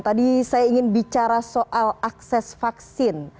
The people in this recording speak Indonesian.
tadi saya ingin bicara soal akses vaksin